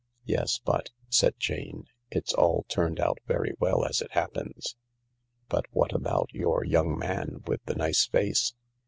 "Yes ; but," said Jane, "it's all turned out very well as it happens, but what about your young man with the nice face